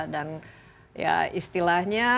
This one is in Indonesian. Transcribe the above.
dan ya istilahnya